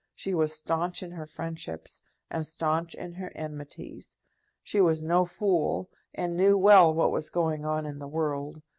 She was staunch in her friendships, and staunch in her enmities. She was no fool, and knew well what was going on in the world.